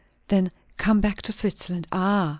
"Then come back to Switzerland." "Ah!